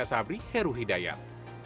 yang diberikan oleh heru hidayat